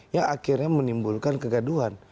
yang akhirnya menimbulkan kegaduhan